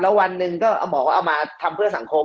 แล้ววันหนึ่งก็หมอก็เอามาทำเพื่อสังคม